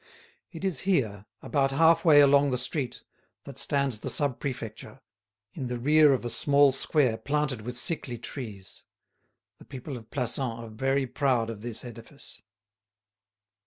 It is here, about half way along the street, that stands the Sub Prefecture, in the rear of a small square planted with sickly trees; the people of Plassans are very proud of this edifice.